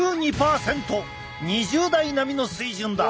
２０代並みの水準だ。